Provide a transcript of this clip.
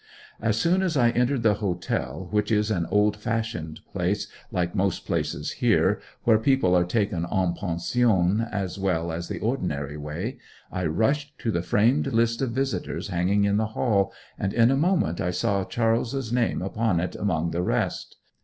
As soon as I entered the hotel, which is an old fashioned place, like most places here, where people are taken en pension as well as the ordinary way, I rushed to the framed list of visitors hanging in the hall, and in a moment I saw Charles's name upon it among the rest.